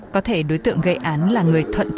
có thể đối tượng gây án là người thuận